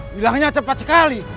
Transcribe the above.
bilangnya cepat sekali